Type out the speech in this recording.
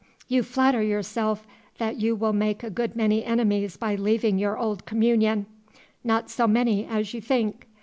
You flatter yourself that you will make a good many enemies by leaving your old communion. Not so many as you think.